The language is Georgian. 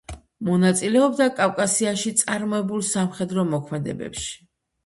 მონაწილეობდა კავკასიაში წარმოებულ სამხედრო მოქმედებებში.